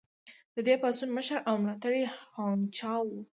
د دې پاڅون مشر او ملاتړی هوانګ چائو و.